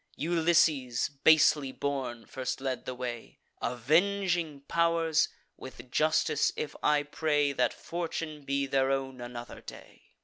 Ulysses, basely born, first led the way. Avenging pow'rs! with justice if I pray, That fortune be their own another day!